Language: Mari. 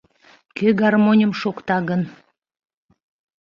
Кӧ гармоньым шокта гын